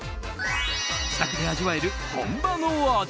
自宅で味わえる本場の味。